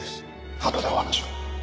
あとでお話を。